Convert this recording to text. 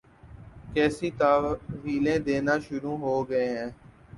کیسی تاویلیں دینا شروع ہو گئے ہیں۔